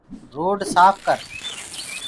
دورڊ سآڦ ڪر۔